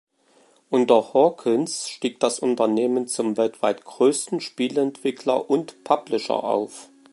Unter Hawkins stieg das Unternehmen zum weltweit größten Spieleentwickler und -publisher auf.